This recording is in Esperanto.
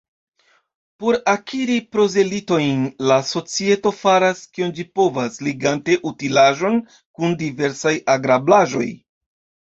Por akiri prozelitojn, la societo faras, kion ĝi povas, ligante utilaĵon kun diversaj agrablaĵoj.